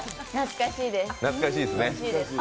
懐かしいです。